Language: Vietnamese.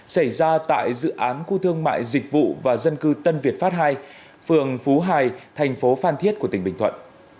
xảy ra tại dự án khu thương mại dịch vụ và dân cư tân việt pháp ii phường phú hài thành phố phan thiết của tỉnh bình thuận